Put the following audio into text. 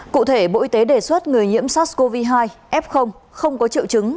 cụ thể bộ y tế đề xuất người nhiễm sars cov hai f không có triệu chứng